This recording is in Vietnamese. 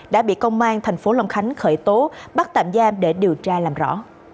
đã bị công an thành phố long khánh khởi tố bắt tạm giam để điều tra làm rõ